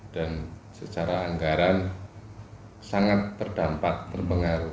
dan secara anggaran sangat berdampak berpengaruh